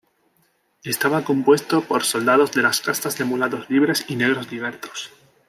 Estaba compuesto por soldados de las castas de mulatos libres y negros libertos.